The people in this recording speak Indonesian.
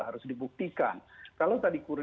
harus dibuktikan kalau tadi